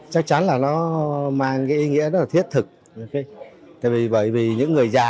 chắc chắn là nó mang cái ý nghĩa rất là thiết thực bởi vì những người già